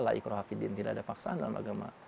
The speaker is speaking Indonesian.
laikrohafidin tidak ada paksaan dalam agama